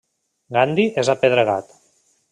Gandhi és apedregat.